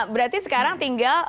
berarti sekarang tinggal